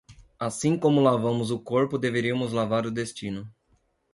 Assim como lavamos o corpo deveríamos lavar o destino